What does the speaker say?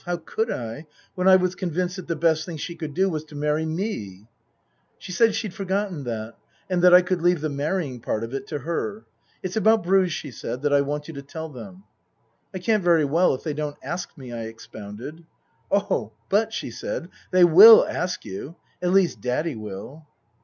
How could I, when I was convinced that the best thing she could do was to marry me ? She said she'd forgotten that and that I could leave the marrying part of it to her. " It's about Bruges," she said, " that I want you to tell them." " I can't very well if they don't ask me," I expounded. " Oh, but," she said, " they will ask you. At least Daddy will."